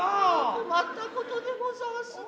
困ったことでござんすな。